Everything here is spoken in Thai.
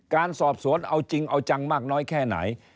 การสอบสวนเอาจริงเอาจังมากน้อยแค่ไหน